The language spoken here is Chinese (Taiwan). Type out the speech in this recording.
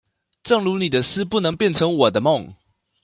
正如你的詩不能變成我的夢